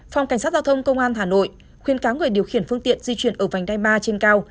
phòng cảnh sát giao thông công an hà nội khuyến cáo người điều khiển phương tiện di chuyển ở vành đai ba trên cao